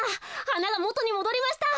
はながもとにもどりました。